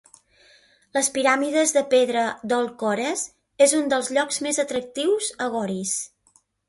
Les piràmides de pedra d'Old Kores es un dels llocs més atractius a Goris.